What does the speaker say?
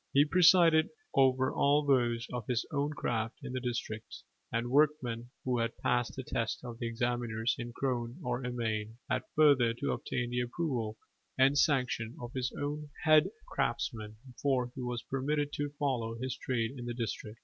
He presided over all those of his own craft in the district: and a workman who had passed the test of the examiners in Croghan or Emain had further to obtain the approval and sanction of his own head craftsman before he was permitted to follow his trade in the district.